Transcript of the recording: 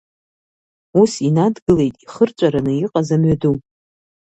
Ус инадгылеит ихырҵәараны иҟаз амҩаду.